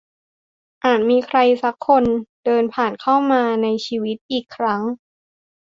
อาจมีใครสักคนผ่านเข้ามาในชีวิตอีกครั้ง